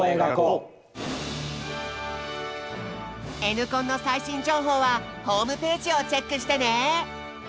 「Ｎコン」の最新情報はホームページをチェックしてね！